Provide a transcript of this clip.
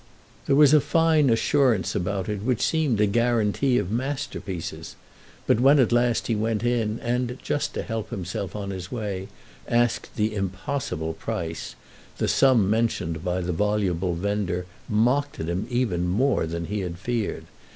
There was a fine assurance about it which seemed a guarantee of masterpieces; but when at last he went in and, just to help himself on his way, asked the impossible price, the sum mentioned by the voluble vendor mocked at him even more than he had feared.